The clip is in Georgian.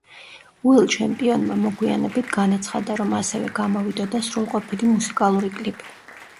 უილ ჩემპიონმა მოგვიანებით განაცხადა, რომ ასევე გამოვიდოდა სრულყოფილი მუსიკალური კლიპი.